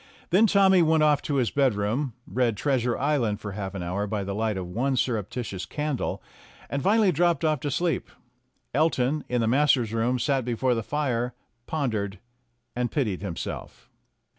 Then Tommy went off to his bedroom, read "Trea sure Island" for half an hour by the light of one surreptitious candle, and finally dropped off to sleep. Elton, in the masters' room, sat before the fire, pon dered, and pitied himself.